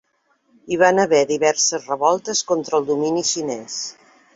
Hi van haver diverses revoltes contra el domini xinès.